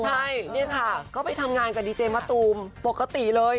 ใช่นี่ค่ะก็ไปทำงานกับดีเจมะตูมปกติเลย